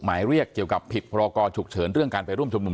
หมายเรียกเกี่ยวกับผิดพรกรฉุกเฉินเรื่องการไปร่วมชุมนุม